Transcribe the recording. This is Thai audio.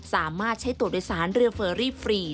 สามารถใช้ตัวโดยสารเรือเฟอรี่ฟรี